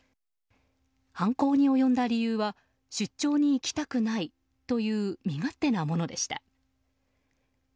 犯行に及んだ理由は出張に行きたくないという身勝手なものでした。